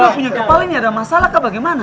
nona punya kepala ini ada masalah kah bagaimana